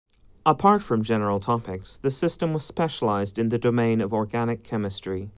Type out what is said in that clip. Apart from general topics, the system was specialised in the domain of organic chemistry.